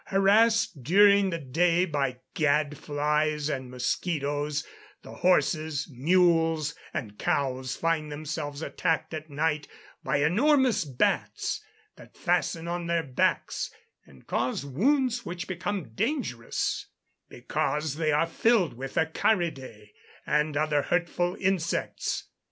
Harassed during the day by gad flies and mosquitoes, the horses, mules, and cows find themselves attacked at night by enormous bats, that fasten on their backs, and cause wounds which become dangerous, because they are filled with acaridæ and other hurtful insects.